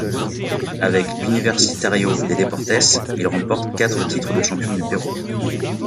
Avec l'Universitario de Deportes, il remporte quatre titres de champion du Pérou.